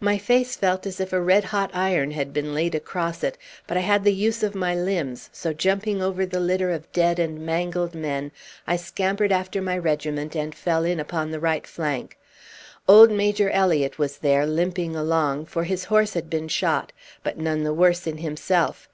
My face felt as if a red hot iron had been laid across it; but I had the use of my limbs, so jumping over the litter of dead and mangled men, I scampered after my regiment, and fell in upon the right flank. Old Major Elliott was there, limping along, for his horse had been shot, but none the worse in himself.